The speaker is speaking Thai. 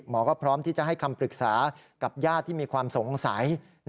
หมอก็พร้อมที่จะให้คำปรึกษากับญาติที่มีความสงสัย